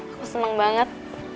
aku seneng banget